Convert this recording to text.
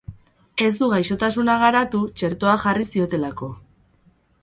Ez du gaixotasuna garatu, txertoa jarri ziotelako.